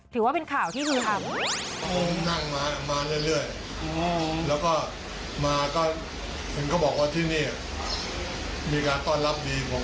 ถือว่าเป็นข่าวที่คือครับ